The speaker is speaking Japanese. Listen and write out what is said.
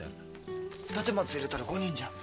立松入れたら５人じゃん。